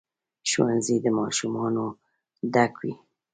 ښوونځي د ماشومانو ډک وي.